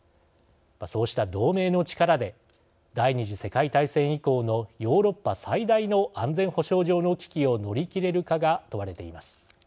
そうした同盟の力で第二次世界大戦以降のヨーロッパ最大の安全保障上の危機を乗り切れるかが問われています。